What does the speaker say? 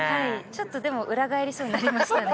ちょっとでも裏返りそうになりましたね